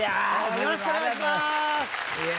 よろしくお願いしまー